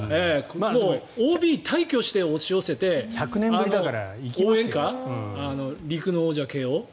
ＯＢ、大挙して押し寄せて応援歌、陸の王者慶応。